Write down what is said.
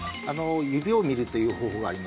指を見るという方法があります